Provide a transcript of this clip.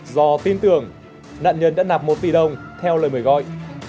do tin tưởng nạn nhân đã nạp một tỷ đồng theo lời mời gọi